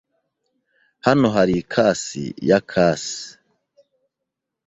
Hano hari ikasi ya kasi.